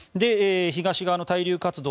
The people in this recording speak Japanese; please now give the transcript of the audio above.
東側の対流活動